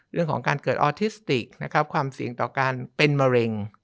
เรื่องของการเกิดออทิสติกนะครับความเสี่ยงต่อการเป็นมะเร็ง